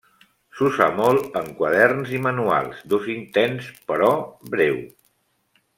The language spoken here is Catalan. S'usa molt en quaderns i manuals d'ús intens però breu.